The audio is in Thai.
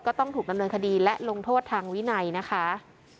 ต้องถูกดำเนินคดีและลงโทษทางวินัยนะคะ